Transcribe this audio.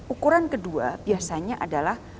ukuran kedua biasanya adalah